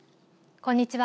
こんにちは。